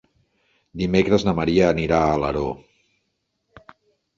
Dimecres na Maria anirà a Alaró.